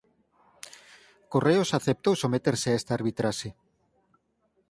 Correos aceptou someterse a esta arbitraxe.